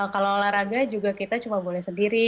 kalau olahraga juga kita cuma boleh sendiri